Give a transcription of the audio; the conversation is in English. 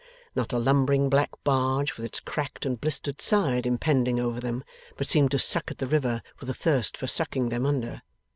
Not a lumbering black barge, with its cracked and blistered side impending over them, but seemed to suck at the river with a thirst for sucking them under.